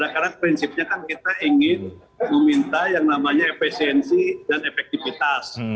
karena prinsipnya kan kita ingin meminta yang namanya efesiensi dan efektivitas